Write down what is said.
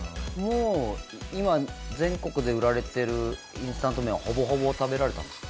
今全国で売られてるインスタント麺はほぼほぼ食べられたんですか？